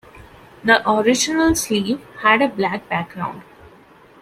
The original sleeve had a black background.